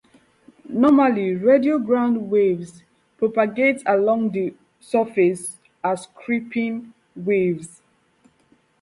Normally radio "ground waves" propagate along the surface as creeping waves.